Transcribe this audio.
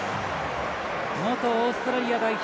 元オーストラリア代表